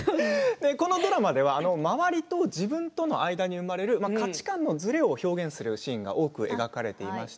このドラマ、周りと自分との間に生まれる価値観のずれを表現するシーンが多く描かれています。